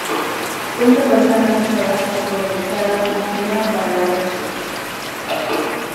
Cuenta con una cancha de basquetbol techada destinada para varios usos.